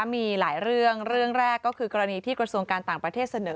มีหลายเรื่องเรื่องแรกก็คือกรณีที่กระทรวงการต่างประเทศเสนอ